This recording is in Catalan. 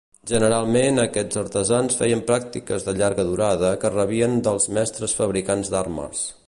Generalment, aquests artesans feien pràctiques de llarga durada que rebien dels mestres fabricants d'armes.